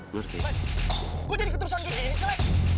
gue jadi keturusan gini sih